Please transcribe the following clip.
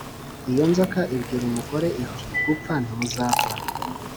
Iyo nzoka ibwira umugore iti gupfa ntimuzapfa